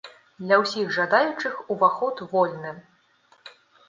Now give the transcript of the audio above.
Для ўсіх жадаючых уваход вольны!